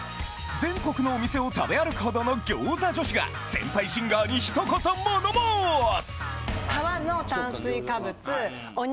全国のお店を食べ歩くほどの餃子女子が先輩シンガーに一言物申す！